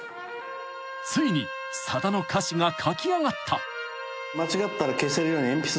［ついにさだの歌詞が書き上がった］